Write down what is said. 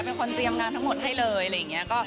เป็นคนเตรียมงานทั้งหมดให้เลย